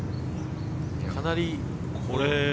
かなりこれ。